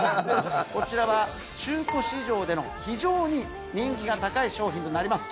こちらは中古市場での非常に人気が高い商品になります。